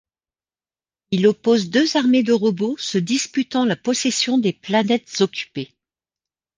Il oppose deux armées de robots se disputant la possession des planètes occupées.